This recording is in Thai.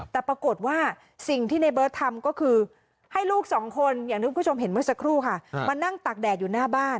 แต่ปรากฏว่าบทที่ในเบิร์ดทำก็คือให้ลูก๒คนลูกมานั่งตากแดดอยู่น่าบ้าน